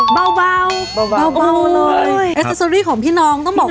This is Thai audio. เราแบบชุดเต็มบาง